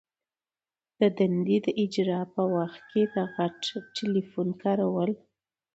د دندي د اجرا په وخت کي د غټ ټلیفون کارول.